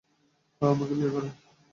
হ্যাঁ, আমাকে বিয়ে?